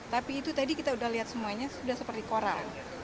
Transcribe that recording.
tapi itu tadi kita sudah lihat semuanya sudah seperti koral